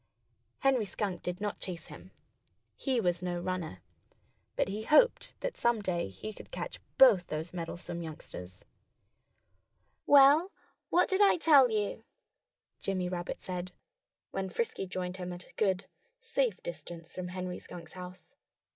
Henry Skunk did not chase him. He was no runner. But he hoped that some day he could catch both those meddlesome youngsters. [Illustration: Jimmy Rabbit delivers his May basket] "Well, what did I tell you?" Jimmy Rabbit said, when Frisky joined him at a good, safe distance from Henry Skunk's house.